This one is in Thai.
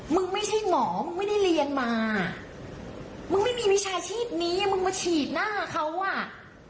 ไม่ใช่หมอมึงไม่ได้เรียนมามึงไม่มีวิชาชีพนี้มึงมาฉีดหน้าเขาอ่ะ